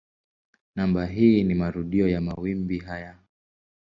Namba hii ni marudio ya mawimbi haya.